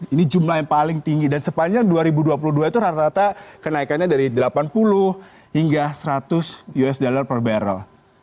ini jumlah yang paling tinggi dan sepanjang dua ribu dua puluh dua itu rata rata kenaikannya dari delapan puluh hingga seratus usd per barrel